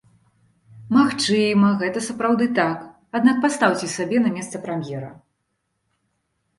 Магчыма, гэта сапраўды так, аднак пастаўце сябе на месца прэм'ера.